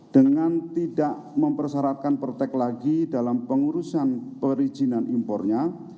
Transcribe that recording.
dengan tidak mempersyaratkan protek lagi dalam pengurusan perizinan impornya